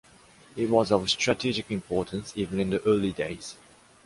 It was of strategic importance even in the early days.